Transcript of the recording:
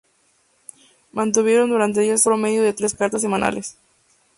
Mantuvieron durante diez años un promedio de tres cartas semanales.